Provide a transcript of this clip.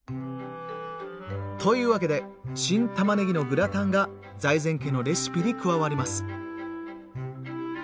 というわけで「新たまねぎのグラタン」が財前家のレシピに加わります。